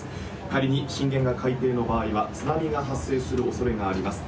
仮に震源が海底の場合は津波が発生する恐れがあります。